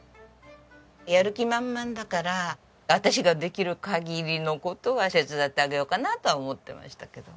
やる気満々だから私ができる限りの事は手伝ってあげようかなとは思ってましたけど。